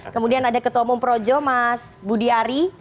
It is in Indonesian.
kemudian ada ketua umum projo mas budiari